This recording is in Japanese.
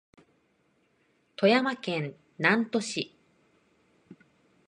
富山県南砺市